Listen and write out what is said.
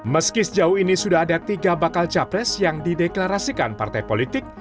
meski sejauh ini sudah ada tiga bakal capres yang dideklarasikan partai politik